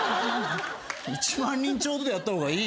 １万人ちょうどでやった方がいいよ。